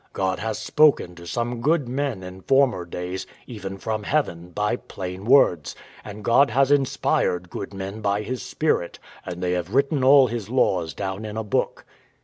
] W.A. God has spoken to some good men in former days, even from heaven, by plain words; and God has inspired good men by His Spirit; and they have written all His laws down in a book.